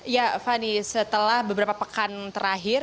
ya fani setelah beberapa pekan terakhir